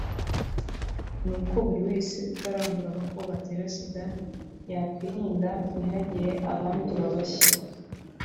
ni uko buri wese utarandura agakoko gatera sida yakwirinda ntihagire abandura bashya